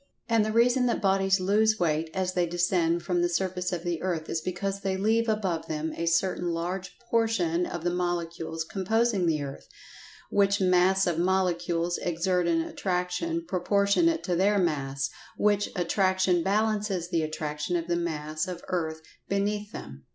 And the reason that bodies "lose weight" as they descend from the surface of the earth is because they leave "above" them a certain large portion of the molecules composing the earth, which mass of molecules exert an attraction proportionate to their mass, which attraction balances the attraction of the mass of earth "beneath them."